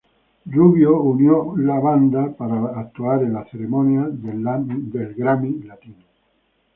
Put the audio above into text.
Rubio Unió la banda en el latino Grammy ceremonia para actuar la canción.